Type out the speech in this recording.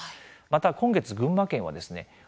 また今月、群馬県はですね